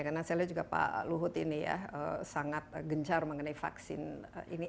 karena saya lihat juga pak luhut ini ya sangat gencar mengenai vaksin ini